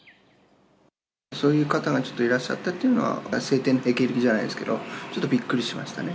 そういう方がちょっといらっしゃったっていうのは、青天のへきれきじゃないですけれども、ちょっとびっくりしましたね。